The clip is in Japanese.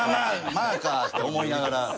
まあかって思いながら。